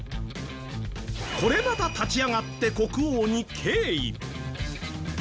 これまた立ち上がって国王に敬意。